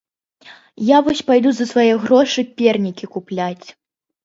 Я вось пайду за свае грошы пернікі купляць.